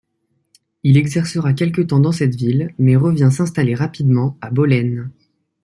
Il exercera quelque temps dans cette ville, mais revient s'installer rapidement à Bollène.